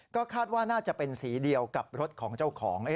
ก็คาดว่าน่าจะเป็นสีเดียวกับรถของเจ้าของ